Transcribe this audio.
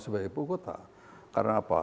sebagai ibu kota karena apa